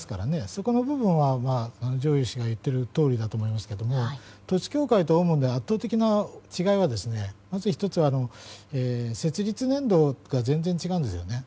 そこの部分は上祐氏が言っているとおりだと思いますが統一教会とオウムの圧倒的な違いはまず１つは、設立年度が全然違うんですよね。